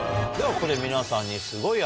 ここで皆さんに。